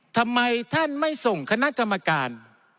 ทำไมท่านไม่ส่งคณะกรรมการ